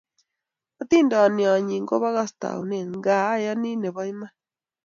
Atindoniat nyi kobakastuanet, nga ayani nebo iman